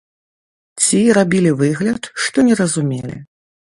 Ці рабілі выгляд, што не разумелі.